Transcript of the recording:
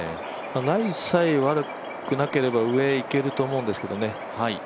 ライさえ悪くなければ上、いけると思うんですけどね。